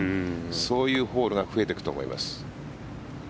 そういうホールが増えていくと思います。